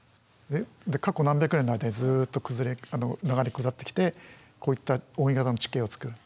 過去何百年の間にずっと流れ下ってきてこういった扇形の地形をつくる。